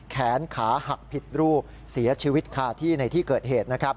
แขนขาหักผิดรูปเสียชีวิตคาที่ในที่เกิดเหตุนะครับ